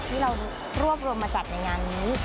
ที่เรารวบรวมมาจัดในงานนี้